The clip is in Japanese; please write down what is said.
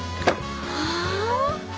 ああ！